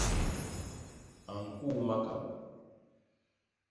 A ñkuu makabô.